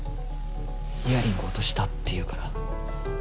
イヤリングを落としたって言うから。